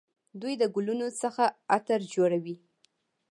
دوی د ګلونو څخه عطر جوړوي.